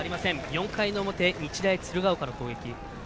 ４回の表、日大鶴ヶ丘の攻撃。